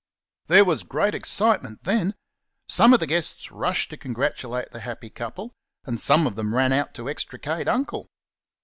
There was great excitement then! Some of the guests rushed to congratulate the happy couple, and some of them ran out to extricate Uncle.